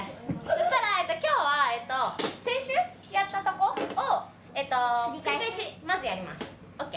そしたら今日は先週やったとこを繰り返しまずやります。ＯＫ？